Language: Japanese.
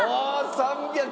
３００。